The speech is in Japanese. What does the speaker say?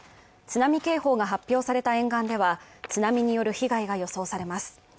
津波警報が発表された沿岸では津波による被害が予想されます。